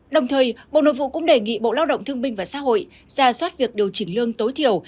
đồng thời bộ nội vụ cũng đề nghị bộ lao động thương binh và xã hội ra soát việc điều chỉnh lương tối thiểu